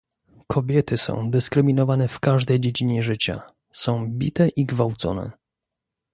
Kobiety są dyskryminowane w każdej dziedzinie życia, są bite i gwałcone